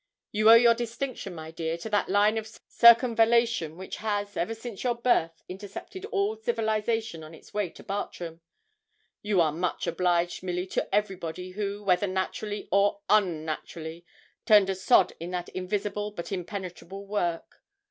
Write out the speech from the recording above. You owe your distinction, my dear, to that line of circumvallation which has, ever since your birth, intercepted all civilisation on its way to Bartram. You are much obliged, Milly, to everybody who, whether naturally or un naturally, turned a sod in that invisible, but impenetrable, work.